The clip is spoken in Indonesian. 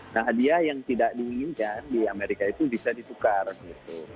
nah hadiah yang tidak diinginkan di amerika itu bisa ditukar gitu